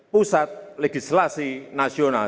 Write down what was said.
pusat legislasi nasional